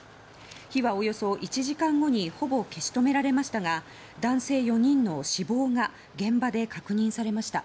火はおよそ１時間後にほぼ消し止められましたが男性４人の死亡が現場で確認されました。